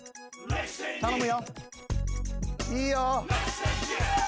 頼むよ。